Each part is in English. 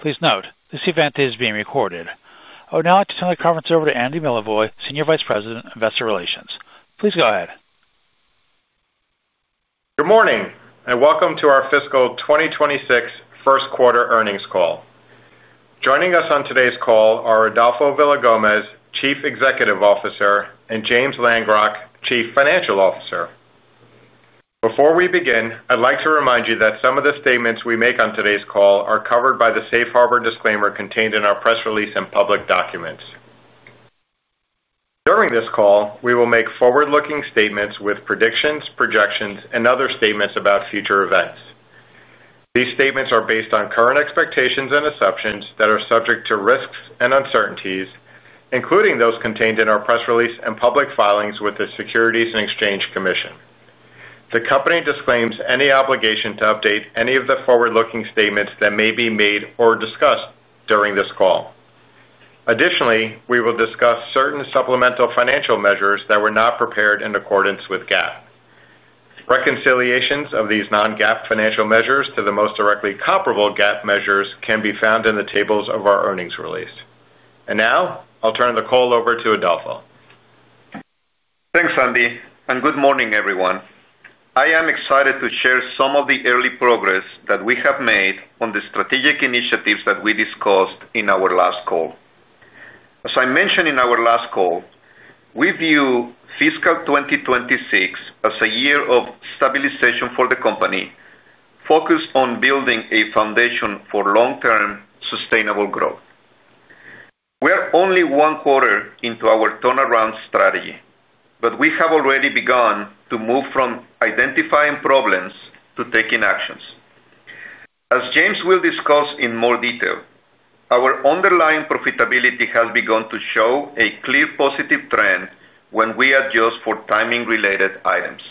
Please note this event is being recorded. I would now like to turn the conference over to Andy Milevoj, Senior Vice President, Investor Relations. Please go ahead. Good morning and welcome to our fiscal 2026 first quarter earnings call. Joining us on today's call are Adolfo Villagomez, Chief Executive Officer, and James Langrock, Chief Financial Officer. Before we begin, I'd like to remind you that some of the statements we make on today's call are covered by the safe harbor disclaimer contained in our public documents. During this call, we will make forward-looking statements with predictions, projections, and other statements about future events. These statements are based on current expectations and assumptions that are subject to risks and uncertainties, including those contained in our press release and public filings with the Securities and Exchange Commission. The company disclaims any obligation to update any of the forward-looking statements that may be made or discussed during this call. Additionally, we will discuss certain supplemental financial measures that were not prepared in accordance with GAAP. Reconciliations of these non-GAAP financial measures to the most directly comparable GAAP measures can be found in the tables of our earnings release. Now I'll turn the call over to Adolfo. Thanks, Andy, and good morning, everyone. I am excited to share some of the early progress that we have made on the strategic initiatives that we discussed. In our last call. As I mentioned in our last call, we view fiscal 2026 as a year of stabilization for the company focused on building a foundation for long term sustainable growth. We are only one quarter into our turnaround strategy, but we have already begun to move from identifying problems to taking actions. As James will discuss in more detail, our underlying profitability has begun to show a clear positive trend when we adjust for timing related items.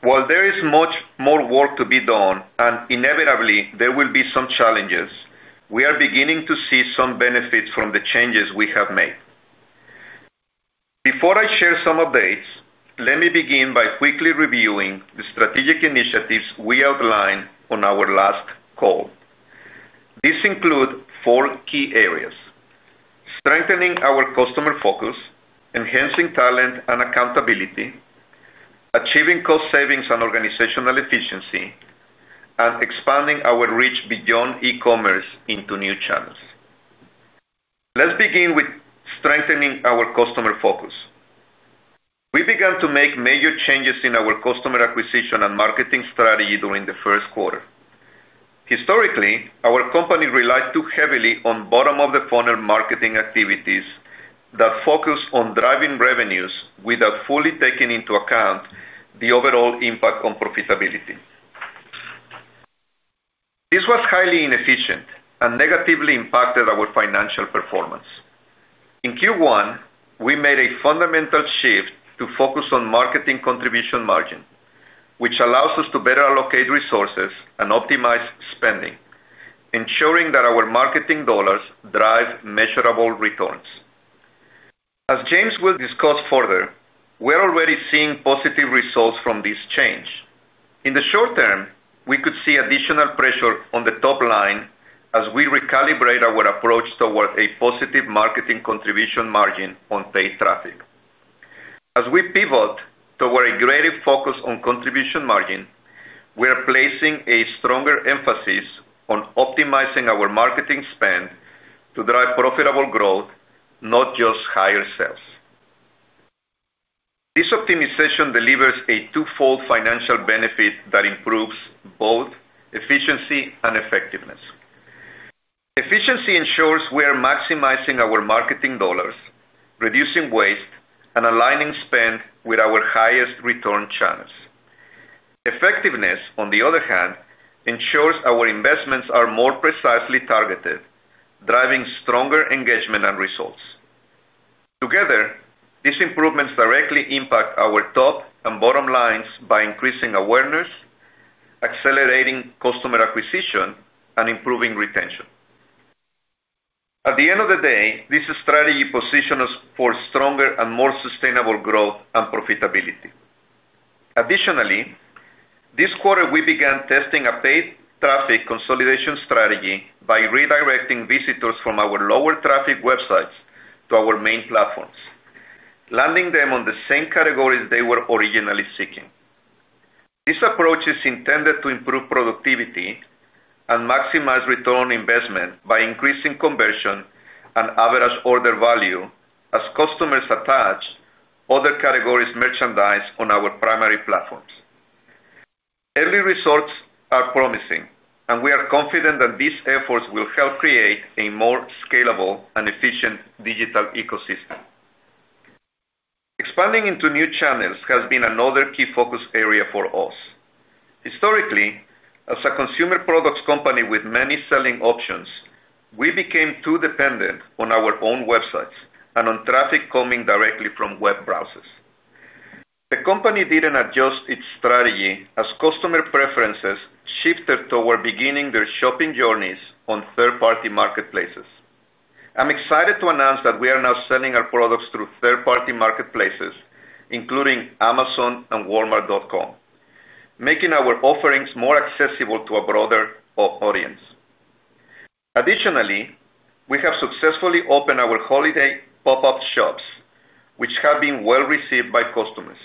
While there is much more work to be done and inevitably there will be some challenges, we are beginning to see some benefits from the changes we have made. Before I share some updates, let me begin by quickly reviewing the strategic initiatives we outlined on our last call. These include four key areas: strengthening our customer focus, enhancing talent and accountability, achieving cost savings and organizational efficiency, and expanding our reach beyond e-commerce into new channels. Let's begin with strengthening our customer focus. We began to make major changes in our customer acquisition and marketing strategy during the first quarter. Historically, our company relied too heavily on bottom of the funnel marketing activities that focus on driving revenues without fully taking into account the overall impact on profitability. This was highly inefficient and negatively impacted our financial performance. In Q1, we made a fundamental shift to focus on marketing contribution margin, which allows us to better allocate resources and optimize spending, ensuring that our marketing dollars drive measurable returns. As James will discuss further, we're already seeing positive results from this change. In the short term, we could see additional pressure on the top line as we recalibrate our approach toward a positive marketing contribution margin on paid traffic. As we pivot toward a greater focus on contribution margin, we are placing a stronger emphasis on optimizing our marketing spend to drive profitable growth, not just higher sales. This optimization delivers a twofold financial benefit that improves both efficiency and effectiveness. Efficiency ensures we are maximizing our marketing dollars, reducing waste, and aligning spend with our highest return channels. Effectiveness, on the other hand, ensures our investments are more precisely targeted, driving stronger engagement and results. Together, these improvements directly impact our top and bottom lines by increasing awareness, accelerating customer acquisition, and improving retention. At the end of the day, this strategy positions us for stronger and more sustainable growth and profitability. Additionally, this quarter we began testing a paid traffic consolidation strategy by redirecting visitors from our lower traffic websites to our main platforms, landing them on the same categories they were originally seeking. This approach is intended to improve productivity and maximize return on investment by increasing conversion and average order value as customers attach other categories merchandise on our primary platforms. Early results are promising, and we are confident that these efforts will help create a more scalable and efficient digital ecosystem. Expanding into new channels has been another key focus area for us. Historically, as a consumer products company with many selling options, we became too dependent on our own websites and on traffic coming directly from web browsers. The company didn't adjust its strategy as customer preferences shifted toward beginning their shopping journeys on third-party marketplaces. I'm excited to announce that we are now selling our products through third-party marketplaces including Amazon and Walmart.com, making our offerings more accessible to a broader audience. Additionally, we have successfully opened our holiday pop-up shops, which have been well received by customers.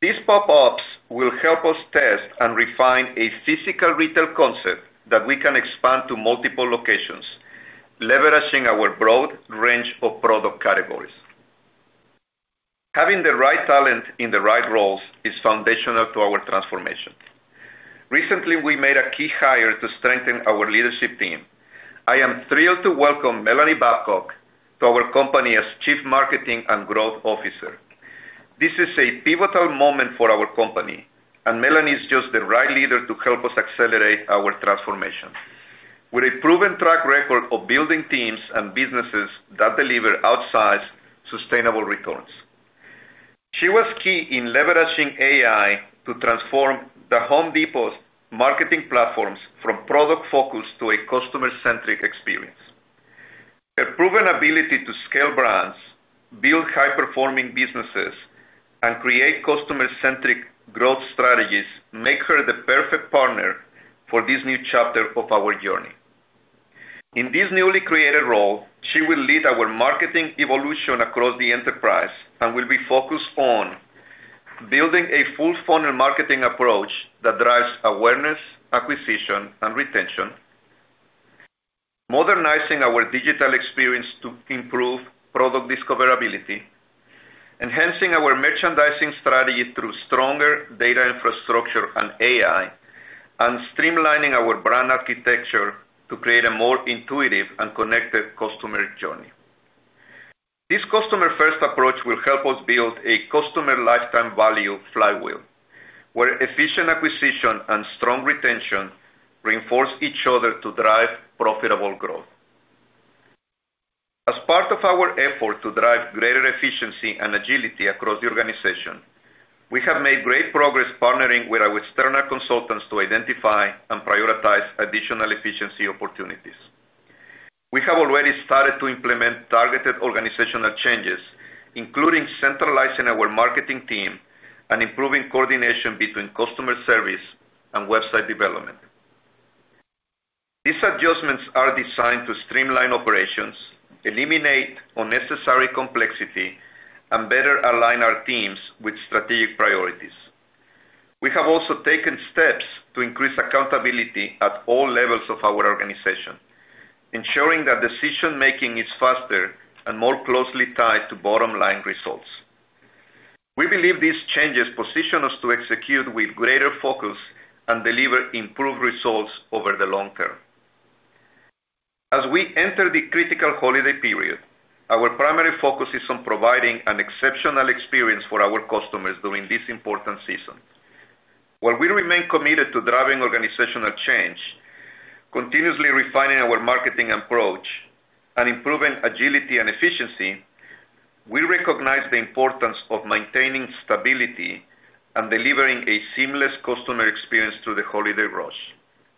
These pop-ups will help us test and refine a physical retail concept that we can expand to multiple locations, leveraging our broad range of product categories. Having the right talent in the right roles is foundational to our transformation. Recently, we made a key hire to strengthen our leadership team. I am thrilled to welcome Melanie Babcock to our company as Chief Marketing and Growth Officer. This is a pivotal moment for our company, and Melanie is just the right leader to help us accelerate our transformation. With a proven track record of building teams and businesses that deliver outsized, sustainable returns, she was key in leveraging AI to transform The Home Depot's marketing platforms from product focus to a customer-centric experience. Her proven ability to scale brands, build high-performing businesses, and create customer-centric growth strategies make her the perfect partner for this new chapter of our journey. In this newly created role, she will lead our marketing evolution across the enterprise and will be focused on building a full funnel marketing approach that drives awareness, acquisition, and retention, modernizing our digital experience to improve product discoverability, enhancing our merchandising strategy through stronger data infrastructure and AI, and streamlining our brand architecture to create a more intuitive and connected customer journey. This customer first approach will help us build a customer lifetime value flywheel where efficient acquisition and strong retention reinforce each other to drive profitable growth. As part of our effort to drive greater efficiency and agility across the organization, we have made great progress partnering with our external consultants to identify and prioritize additional efficiency opportunities. We have already started to implement targeted organizational changes, including centralizing our marketing team and improving coordination between customer service and website development. These adjustments are designed to streamline operations, eliminate unnecessary complexity, and better align our teams with strategic priorities. We have also taken steps to increase accountability at all levels of our organization, ensuring that decision making is faster and more closely tied to bottom line results. We believe these changes position us to execute with greater focus and deliver improved results over the long term. As we enter the critical holiday period, our primary focus is on providing an exceptional experience for our customers during this important season. While we remain committed to driving organizational change, continuously refining our marketing approach, and improving agility and efficiency, we recognize the importance of maintaining stability and delivering a seamless customer experience through the holiday rush.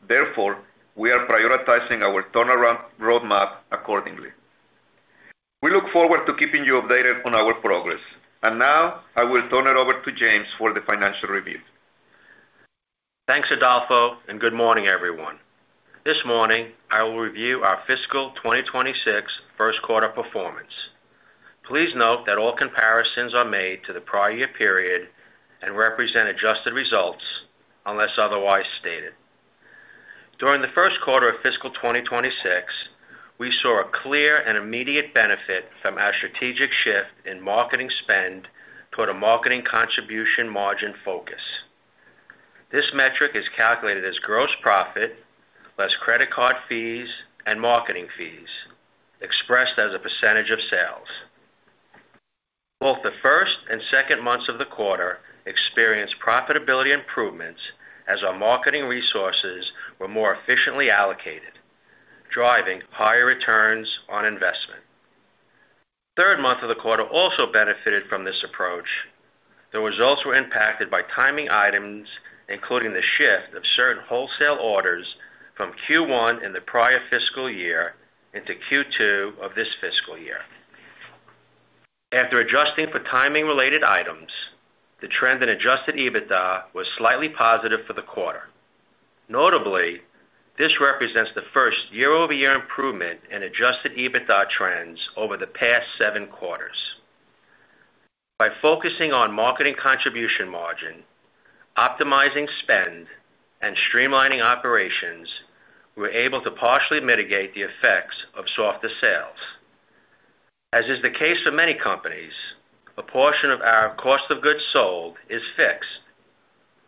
Therefore, we are prioritizing our turnaround roadmap accordingly. We look forward to keeping you updated on our progress. Now I will turn it over to James for the financial review. Thanks Adolfo and good morning everyone. This morning I will review our fiscal 2026 first quarter performance. Please note that all comparisons are made to the prior year period and represent adjusted results unless otherwise stated. During the first quarter of fiscal 2026, we saw a clear and immediate benefit from our strategic shift in marketing spend toward a marketing contribution margin focus. This metric is calculated as gross profit, less credit card fees, and marketing fees expressed as a percentage of sales. Both the first and second months of the quarter experienced profitability improvements as our marketing resources were more efficiently allocated, driving higher returns on investment. The third month of the quarter also benefited from this approach. The results were impacted by timing items, including the shift of certain wholesale orders from Q1 in the prior fiscal year into Q2 of this fiscal year. After adjusting for timing related items, the trend in adjusted EBITDA was slightly positive for the quarter. Notably, this represents the first year-over-year improvement in adjusted EBITDA trends over the past seven quarters. By focusing on marketing contribution margin, optimizing spend, and streamlining operations, we're able to partially mitigate the effects of softer sales. As is the case for many companies, a portion of our cost of goods sold is fixed,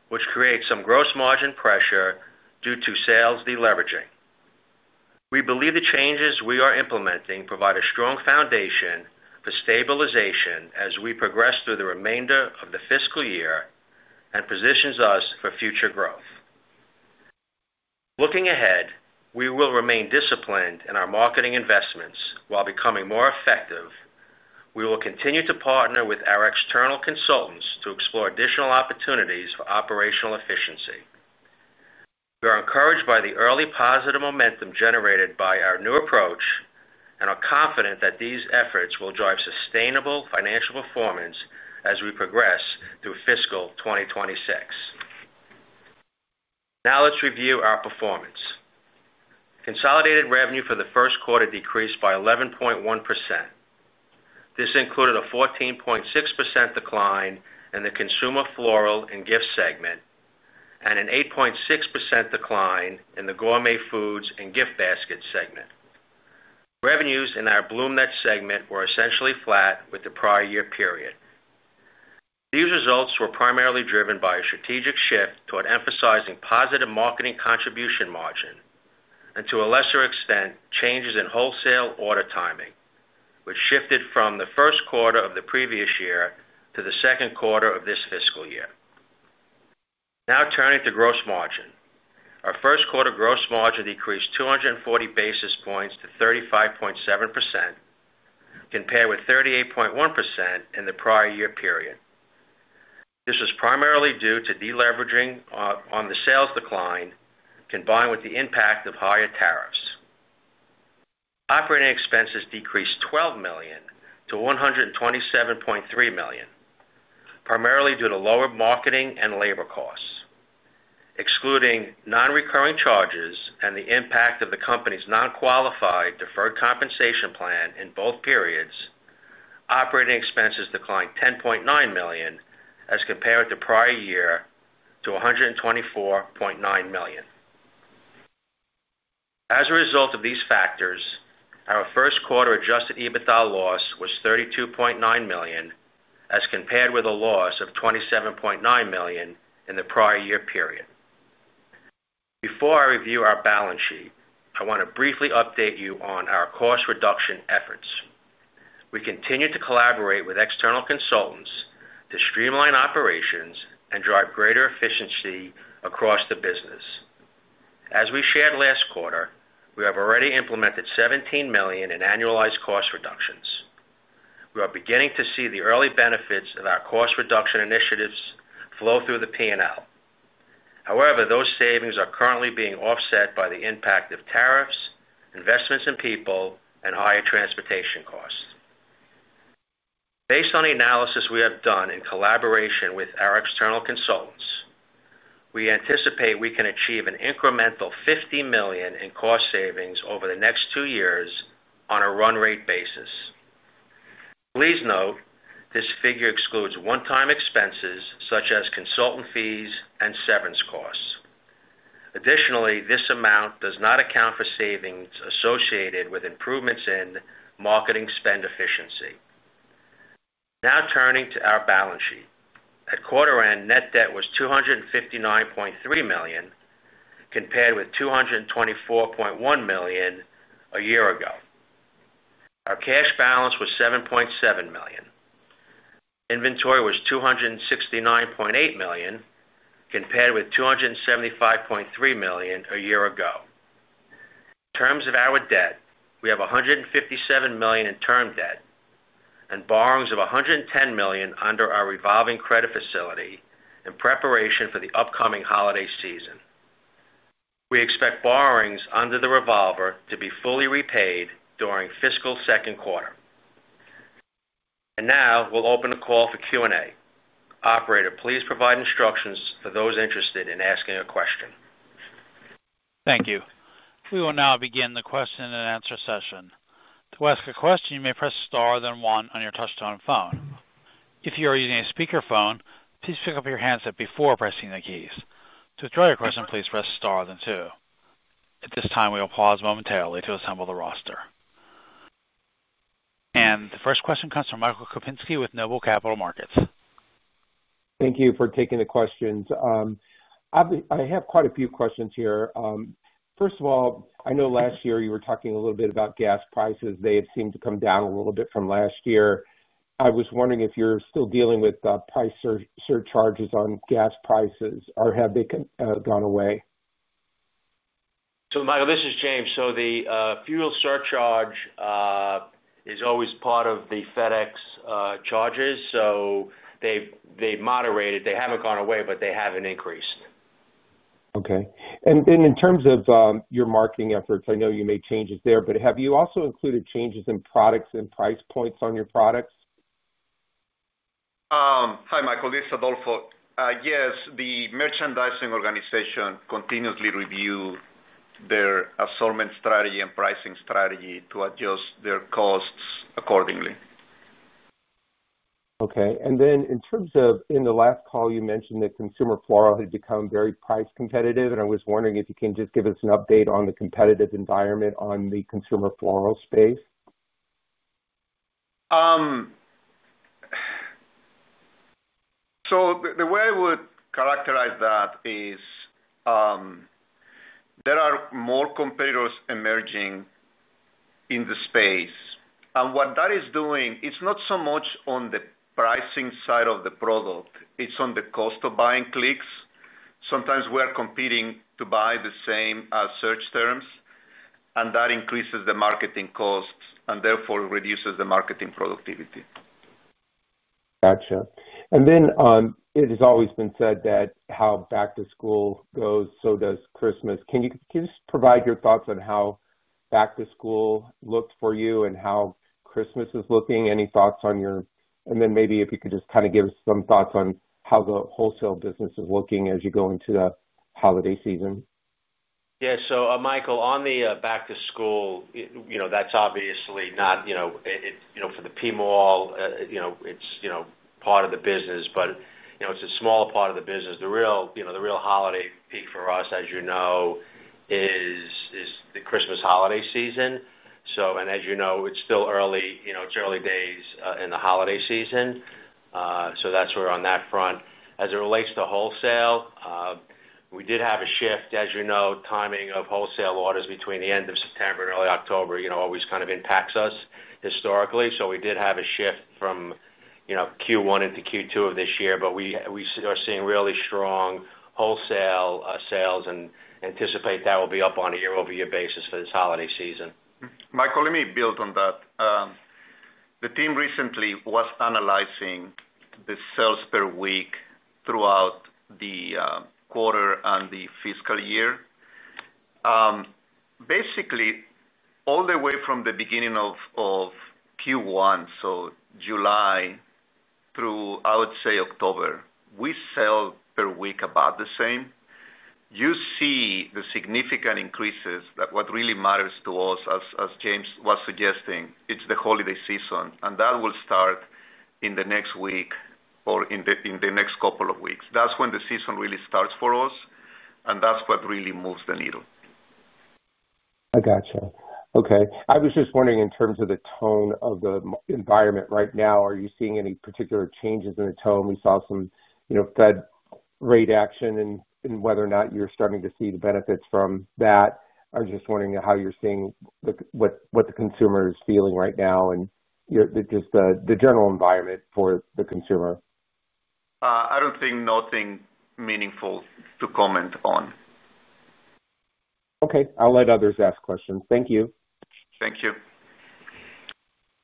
which creates some gross margin pressure due to sales deleveraging. We believe the changes we are implementing provide a strong foundation for stabilization as we progress through the remainder of the fiscal year and position us for future growth. Looking ahead, we will remain disciplined in our marketing investments while becoming more effective. We will continue to partner with our external consultants to explore additional opportunities for operational efficiency. We are encouraged by the early positive momentum generated by our new approach and are confident that these efforts will drive sustainable financial performance as we progress through fiscal 2026. Now, let's review our performance. Consolidated revenue for the first quarter decreased by 11.1%. This included a 14.6% decline in the Consumer Floral and Gift segment and an 8.6% decline in the Gourmet Foods and Gift baskets segment. Revenues in our BloomNet segment were essentially flat with the prior year period. These results were primarily driven by a strategic shift toward emphasizing positive marketing contribution margin and to a lesser extent changes in wholesale order timing, which shifted from the first quarter of the previous year to the second quarter of this fiscal year. Now turning to gross margin, our first quarter gross margin decreased 240 basis points to 35.7% compared with 38.1% in the prior year period. This was primarily due to deleveraging on the sales decline combined with the impact of higher tariffs. Operating expenses decreased $12 million to $127.3 million, primarily due to lower marketing and labor costs, excluding non-recurring charges and the impact of the company's non-qualified deferred compensation plan. In both periods, operating expenses declined $10.9 million as compared to prior year to $124.9 million. As a result of these factors, our first quarter adjusted EBITDA loss was $32.9 million as compared with a loss of $27.9 million in the prior year period. Before I review our balance sheet, I want to briefly update you on our cost reduction efforts. We continue to collaborate with external consultants to streamline operations and drive greater efficiency across the business. As we shared last quarter, we have already implemented $17 million in annualized cost reductions. We are beginning to see the early benefits of our cost reduction initiatives flow through the P&L. However, those savings are currently being offset by the impact of tariffs, investments in people, and higher transportation costs. Based on the analysis we have done in collaboration with our external consultants, we anticipate we can achieve an incremental $50 million in cost savings over the next two years on a run-rate basis. Please note, this figure excludes one-time expenses such as consultant fees and severance costs. Additionally, this amount does not account for savings associated with improvements in marketing spend efficiency. Now turning to our balance sheet. At quarter end, net debt was $259.3 million compared with $224.1 million a year ago. Our cash balance was $7.7 million. Inventory was $269.8 million, compared with $275.3 million a year ago. In terms of our debt, we have $157 million in term debt and borrowings of $110 million under our revolving credit facility. In preparation for the upcoming holiday season, we expect borrowings under the revolver to be fully repaid during fiscal second quarter. We will open the call for Q and A. Operator, please provide instructions for those interested in asking a question. Thank you. We will now begin the question and answer session. To ask a question, you may press star then one on your touchtone phone. If you are using a speakerphone, please pick up your handset before pressing the keys. To withdraw your question, please press star then two. At this time, we will pause momentarily to assemble the roster. The first question comes from Michael Kupinski with Noble Capital Markets. Thank you for taking the questions. I have quite a few questions here. First of all, I know last year you were talking a little bit about gas prices. They had seemed to come down a little bit from last year. I was wondering if you're still dealing with price surcharges on gas prices or have they gone away? Michael, this is James. The fuel surcharge is always part of the FedEx charges. They've moderated, they haven't gone away, but they haven't increased. Okay. In terms of your marketing efforts, I know you made changes there, but have you also included changes in products and price points on your products? Hi, Michael, this is Adolfo. Yes, the merchandising organization continuously reviews their assortment strategy and pricing strategy to adjust their costs accordingly. Okay, in the last call you mentioned that consumer floral had become very price competitive. I was wondering if you can just give us an update on the competitive environment in the consumer floral space. The way I would characterize that is there are more competitors emerging in the space. What that is doing is not so much on the pricing side of the product, it's on the cost of buying clicks. Sometimes we are competing to buy the same search terms, and that increases the marketing costs and therefore reduces the marketing productivity. Gotcha. It has always been said that how back to school goes, so does Christmas. Can you just provide your thoughts on how back to school looked for you and how Christmas is looking? Any thoughts on your—maybe if you could just kind of give us some thoughts on how the wholesale business is looking as you go into the holiday season. Yeah. Michael, on the back to school, that's obviously not for the P Mall, it's part of the business but it's a smaller part of the business. The real holiday peak for us, as you know, is the Christmas holiday season. As you know, it's still early, it's early days in the holiday season. That's where on that front as it relates to wholesale, we did have a shift, as you know, timing of wholesale orders between the end of September and early October. Always kind of impacts us historically. We did have a shift from Q1 into Q2 of this year. We are seeing really strong wholesale sales and anticipate that will be up on a year-over-year basis for this holiday season. Michael, let me build on that. The team recently was analyzing the sales per week throughout the quarter and the fiscal year. Basically all the way from the beginning of Q1, so July through, I would say, October, we sell per week about the same. You see the significant increases. What really matters to us, as James was suggesting, is the holiday season, and that will start in the next week or in the next couple of weeks. That's when the season really starts for us, and that's what really moves the needle. I got you. Okay. I was just wondering in terms of the tone of the environment right now, are you seeing any particular changes in the tone? We saw some Fed rate action, and whether or not you're starting to see the benefits from that. I was just wondering how you're seeing what the consumer is feeling right now and just the general environment for the consumer. I don't think there's anything meaningful to comment on. Okay, I'll let others ask questions. Thank you. Thank you.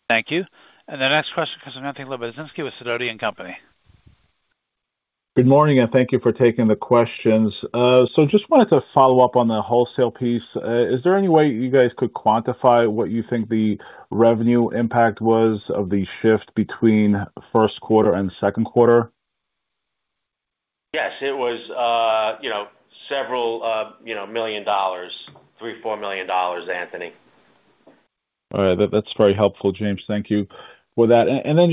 Thank you. The next question comes from Anthony Lebiedzinski with Sidoti & Company. Good morning and thank you for taking the questions. I just wanted to follow up on the wholesale piece. Is there any way you guys could quantify what you think the revenue impact was of the shift between first quarter and second quarter? Yes, it was several million dollars, $3 million, $4 million. Anthony. All right, that's very helpful, James. Thank you for that. In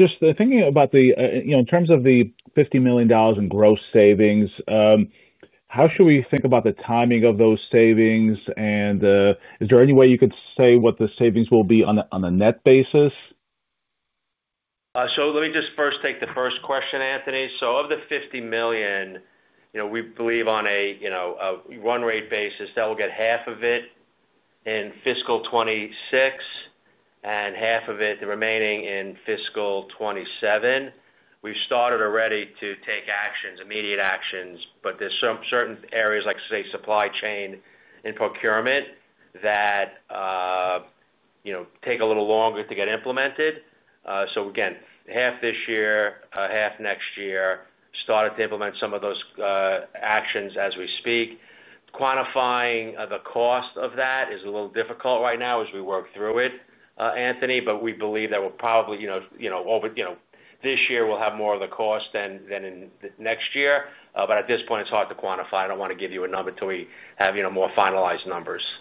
terms of the $50 million in gross savings, how should we think about the timing of those savings? Is there any way you could say what the savings will be on a net basis? Let me just first take the first question, Anthony. Of the $50 million, you know, we believe on a run rate basis that we'll get half of it in fiscal 2026 and half of it is remaining in fiscal 2027. We started already to take actions, immediate actions, but there are some certain areas, like supply chain and procurement that, you know, take a little longer to get implemented. Half this year, half next year, started to implement some of those actions as we speak. Quantifying the cost of that is a little difficult right now as we work through it, Anthony, but we believe that this year we'll have more of the cost than in next year. At this point, it's hard to quantify. I don't want to give you a number until we have more finalized numbers.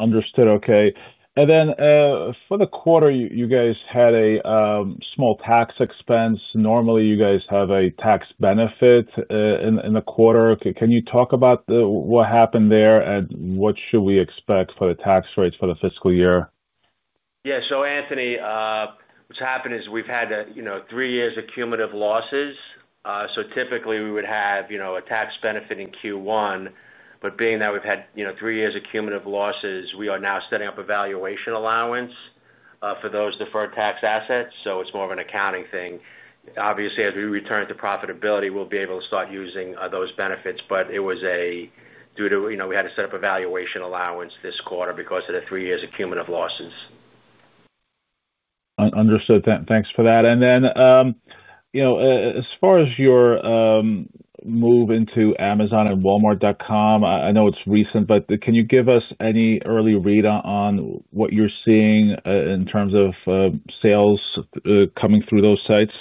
Understood. Okay. For the quarter, you guys had a small tax expense. Normally you guys have a tax benefit in the quarter. Can you talk about what happened there and what should we expect for the tax rates for the fiscal year? Yeah. Anthony, what's happened is we've had three years of cumulative losses. Typically we would have a tax benefit in Q1, but being that we've had three years of cumulative losses, we are now setting up a valuation allowance for those deferred tax assets. It's more of an accounting thing. Obviously, as we return to profitability, we'll be able to start using those benefits. It was due to, you know, we had to set up a valuation allowance this quarter because of the three years of cumulative losses. Understood. Thanks for that. As far as your move into Amazon and Walmart.com, I know it's recent, but can you give us any early read on what you're seeing in terms of sales coming through those sites?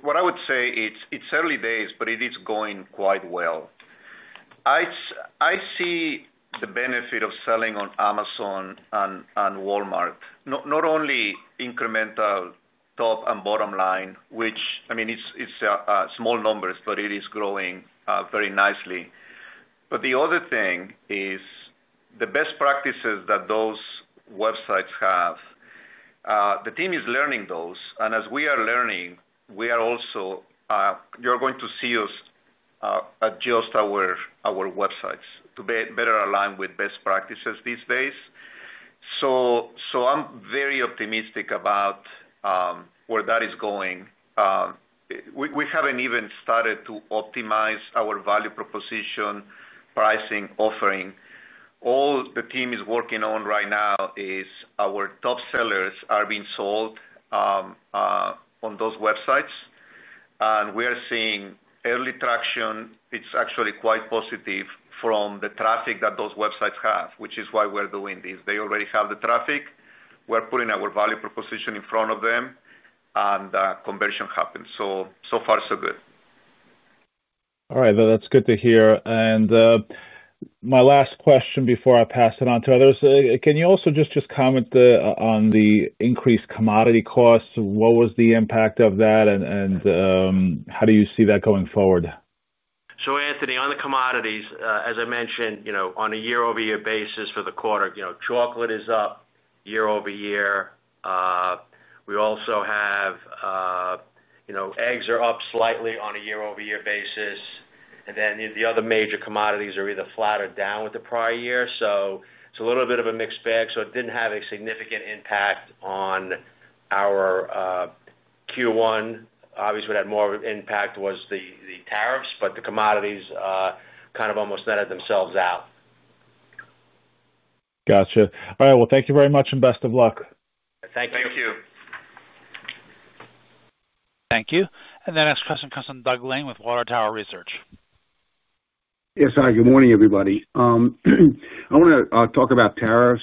What I would say, it's early days, but it is going quite well. I see the benefit of selling on Amazon and Walmart.com not only incremental, top and bottom line, which, I mean, it's small numbers, but it is growing very nicely. The other thing is the best practices that those websites have. The team is learning those, and as we are learning, you are going to see us adjust our websites to better align with best practices these days. I'm very optimistic about where that is going. We haven't even started to optimize our value proposition pricing offering. All the team is working on right now is our top sellers are being sold on those websites, and we are seeing early traction. It's actually quite positive from the traffic that those websites have, which is why we're doing this. They already have the traffic. We're putting our value proposition in front of them and conversion happens. So far, so good. All right, that's good to hear. My last question before I pass it on to others, can you also just comment on the increased commodity costs? What was the impact of that, and how do you see that going forward? Anthony, on the commodities, as I mentioned, on a year-over-year basis for the quarter, chocolate is up year-over-year. We also have eggs are up slightly on a year-over-year basis, and then the other major commodities are either flat or down with the prior year. It's a little bit of a mixed bag. It didn't have a significant impact on our Q1. Obviously, what had more of an impact was the tariffs, but the commodities kind of almost netted themselves out. Gotcha. All right, thank you very much and best of luck. Thank you. Thank you. Thank you. The next question comes from Doug Lane with Water Tower Research. Yes. Hi. Good morning, everybody. I want to talk about tariffs.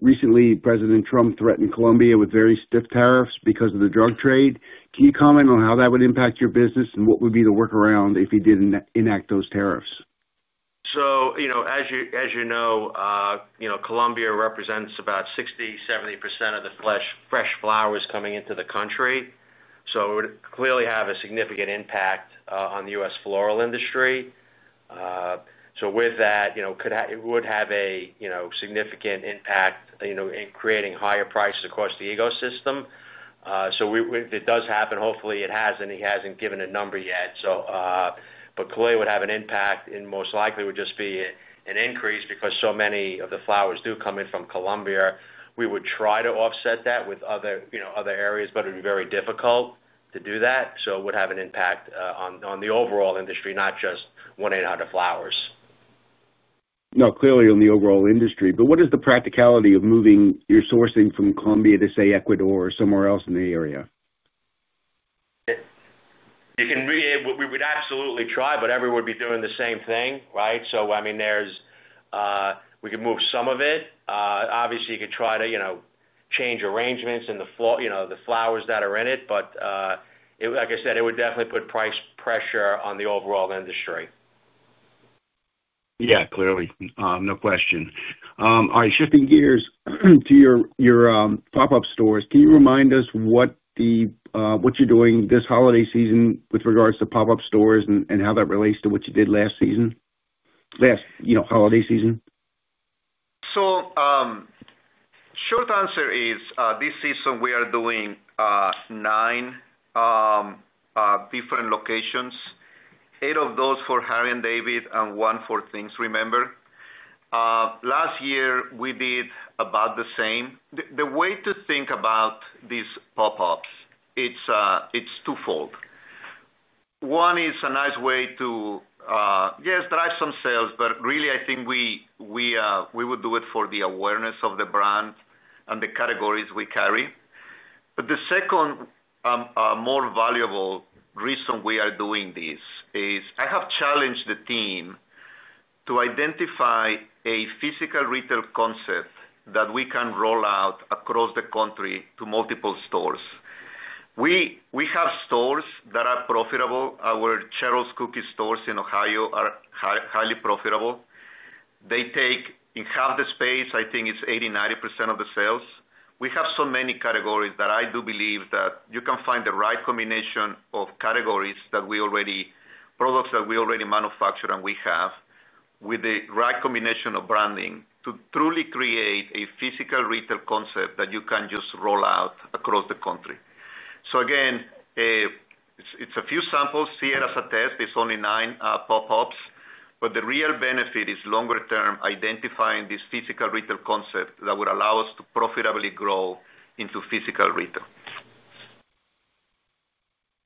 Recently, President Trump threatened Colombia with very stiff tariffs because of the drug trade. Can you comment on how that would impact your business, and what would be the workaround if he didn't enact those tariffs? As you know, Colombia represents about 60%-70% of the fresh flowers coming into the country. It would clearly have a significant impact on the U.S. floral industry. It would have a significant impact, you know, in creating higher prices across the ecosystem. If it does happen, hopefully it hasn't. He hasn't given a number yet. Cali would have an impact and most likely would just be an increase because so many of the flowers do come in from Colombia. We would try to offset that with other areas, but it would be very difficult to do that. It would have an impact on the overall industry, not just 1-800-Flowers.com. No, clearly on the overall industry. What is the practicality of moving your sourcing from Colombia to, say, Ecuador or somewhere else in the area? You can. We would absolutely try, but everyone would be doing the same thing. Right? I mean, we could move some of it. Obviously, you could try to, you know, change arrangements and the floor, you know, the flowers that are in it. Like I said, it would definitely put price pressure on the overall industry. Yeah, clearly. No question. All right, shifting gears to your pop-up shops, can you remind us what the, what you're doing this holiday season with regards to pop-up shops and how that relates to what you did last season, last holiday season? This season we are doing nine different locations, eight of those for Harry & David and one for Things Remembered. Last year we did about the same. The way to think about these pop-ups, it's twofold. One is a nice way to, yes, drive some sales, but really I think we would do it for the awareness of the brand and the categories we carry. The second more valuable reason we are doing this is I have challenged the team to identify a physical retail concept that we can roll out across the country to multiple stores. We have stores that are profitable. Our Cheryl's Cookies stores in Ohio are highly profitable. They take in half the space. I think it's 80%, 90% of the sales. We have so many categories that I do believe that you can find the right combination of categories that we already manufacture and we have with the right combination of branding to truly create a physical retail concept that you can just roll out across the country. It's a few samples. See it as a test. It's only nine pop-ups. The real benefit is longer term, identifying this physical retail concept that would allow us to profitably grow into physical retail.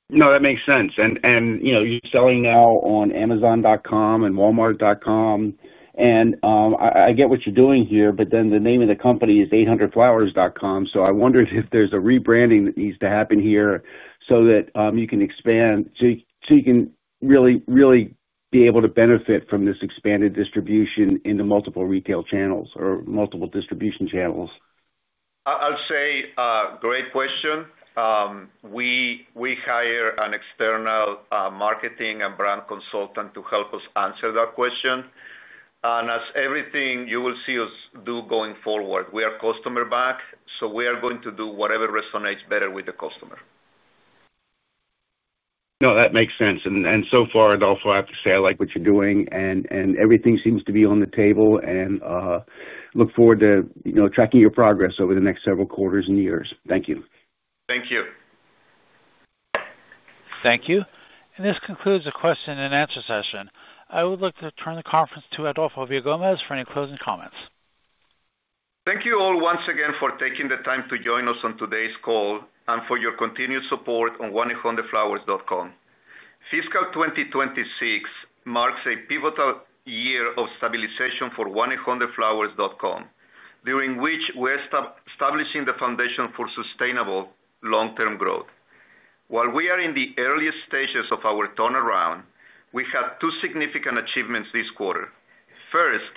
No, that makes sense. You know, you're selling now on Amazon and Walmart.com, and I get what you're doing here. The name of the company is 1-800-Flowers.com, so I wondered if there's a rebranding that needs to happen here so that you can expand, so you can really, really be able to benefit from this expanded distribution into multiple retail channels or multiple distribution channels. I'll say great question. We hired an external marketing and brand consultant to help us answer that question. As everything you will see us do going forward, we are customer back. We are going to do whatever resonates better with the customer. That makes sense. I have to say I like what you're doing and everything seems to be on the table. I look forward to tracking your progress over the next several quarters and years. Thank you. Thank you. Thank you. This concludes the question and answer session. I would like to turn the conference to Adolfo Villagomez for any closing comments. Thank you all once again for taking the the time to join us on today's call and for your continued support on 1-800-Flowers.com. Fiscal 2026 marks a pivotal year of stabilization for 1-800-Flowers.com during which we're establishing the foundation for sustainable long-term growth. While we are in the earliest stages of our turnaround, we had two significant achievements this quarter. First,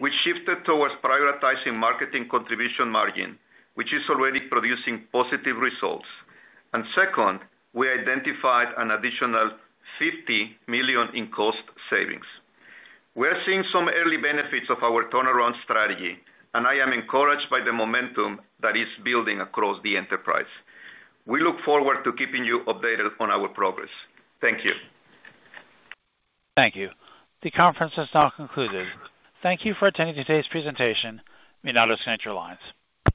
we shifted towards prioritizing marketing contribution margin, which is already producing positive results, and second, we identified an additional $50 million in cost savings. We are seeing some early benefits of our turnaround strategy, and I am encouraged by the momentum that is building across the enterprise. We look forward to keeping you updated on our progress. Thank you. Thank you. The conference has now concluded. Thank you for attending today's presentation. You may now disconnect your lines.